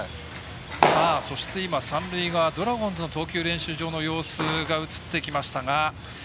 そして、三塁側ドラゴンズの投球練習場の様子が映ってきましたが。